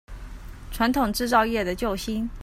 傳統製造業的救星